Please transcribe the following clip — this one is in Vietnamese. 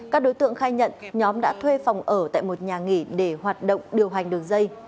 các đối tượng khai nhận nhóm đã thuê phòng ở tại một nhà nghỉ để hoạt động điều hành đường dây